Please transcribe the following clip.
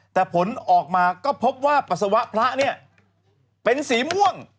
แต่ผลออกมาก็พบว่าปัสสาวะพระเนี่ยเป็นสีม่วง